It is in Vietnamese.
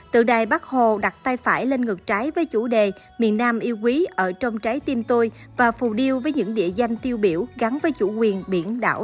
tượng đài bắc hồ đặt tay phải lên ngược trái với chủ đề miền nam yêu quý ở trong trái tim tôi và phù điêu với những địa danh tiêu biểu gắn với chủ quyền biển đảo